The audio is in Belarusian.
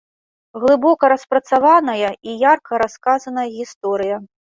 Глыбока распрацаваная і ярка расказаная гісторыя.